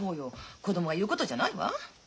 子供が言うことじゃないわ。